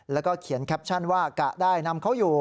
แล้วก็เขียนแคปชั่นว่ากะได้นำเขาอยู่